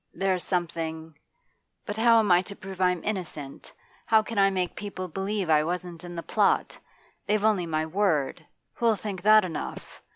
There's something But how am I to prove I'm innocent? How can I make people believe I wasn't in the plot? They've only my word who'll think that enough?